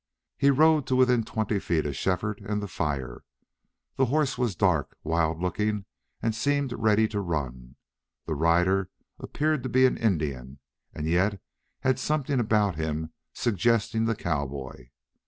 He rode to within twenty feet of Shefford and the fire. The horse was dark, wild looking, and seemed ready to run. The rider appeared to be an Indian, and yet had something about him suggesting the cowboy.